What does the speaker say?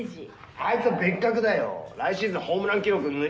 ・あいつは別格だよ。来シーズンホームラン記録塗り替えるよ。